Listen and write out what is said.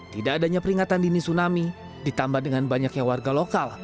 tidak adanya peringatan dini tsunami ditambah dengan banyaknya warga lokal